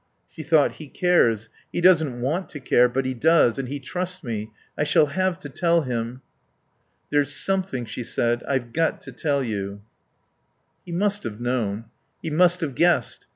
She thought: "He cares. He doesn't want to care, but he does. And he trusts me. I shall have to tell him ..." "There's something," she said, "I've got to tell you." He must have known. He must have guessed.